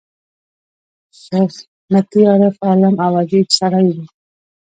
شېخ متي عارف، عالم او اديب سړی وو.